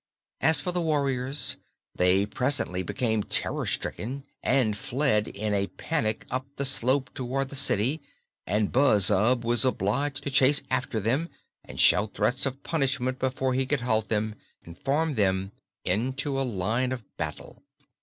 As for the warriors, they presently became terror stricken and fled in a panic up the slope toward the city, and Buzzub was obliged to chase after them and shout threats of punishment before he could halt them and form them into a line of battle.